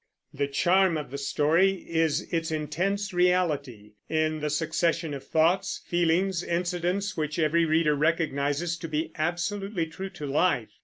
The charm of the story is its intense reality, in the succession of thoughts, feelings, incidents, which every reader recognizes to be absolutely true to life.